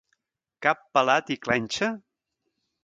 Cap pelat i clenxa?